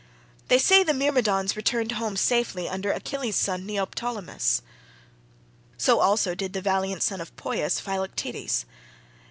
They say the Myrmidons returned home safely under Achilles' son Neoptolemus; so also did the valiant son of Poias, Philoctetes.